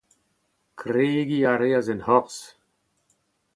Kregiñ a reas en horzh.